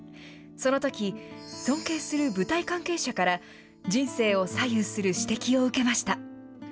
そのとき、尊敬する舞台関係者から人生を左右する指摘を受けました。